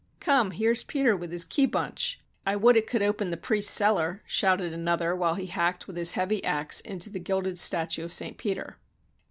"Come, here's Peter with his key bunch! I would it could open the priests' cellar," shouted another, while he hacked with his heavy axe into the gilded statue of St. Peter.